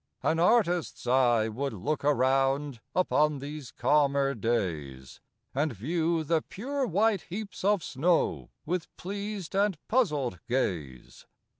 An artist's eye would look around, Upon these calmer days, And view the pure white heaps of snow, With pleas'd and puzzl'd gaze.